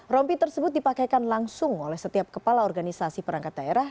rompi tersebut dipakaikan langsung oleh setiap kepala organisasi perangkat daerah